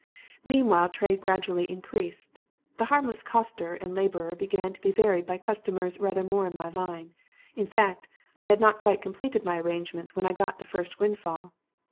"Meanwhile trade gradually increased. The harmless coster and laborer began to be varied by customers rather more in my line; in fact, I had not quite completed my arrangements when I got the first windfall.